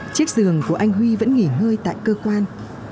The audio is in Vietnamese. chiếc giường của anh huy vẫn nghỉ ngơi tại cơ quan